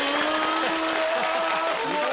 すごい。